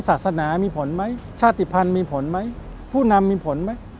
ศาสนามีผลไหมชาติภัณฑ์มีผลไหมผู้นำมีผลไหม